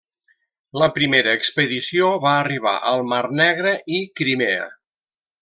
La primera expedició va arribar al Mar Negre i Crimea.